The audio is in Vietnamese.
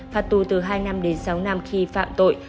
phạt tù từ hai năm đến sáu năm khi phạm tội